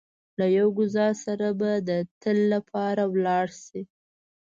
له يو ګوزار سره به د تل لپاره ولاړ شئ.